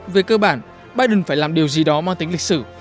về cơ bản biden phải làm điều gì đó mang tính lịch sử